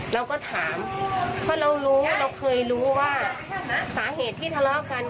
เราก็ถามเพราะเรารู้เราเคยรู้ว่าสาเหตุที่ทะเลาะกัน